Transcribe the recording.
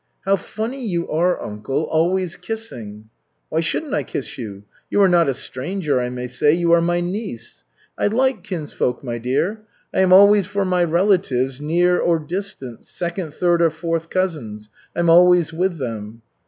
"How funny you are, uncle, always kissing." "Why shouldn't I kiss you? You are not a stranger, I may say, you are my niece. I like kinsfolk, my dear. I am always for my relatives, near or distant, second, third, or fourth cousins, I'm always with them."